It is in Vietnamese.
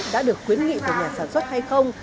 đã được khuyến nghị từ nhà sản xuất hay không